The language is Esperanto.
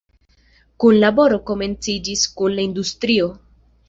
Kunlaboro komenciĝis kun la industrio.